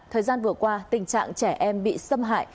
thời gian vừa qua tình trạng trẻ em bị xâm hại